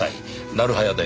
なる早で。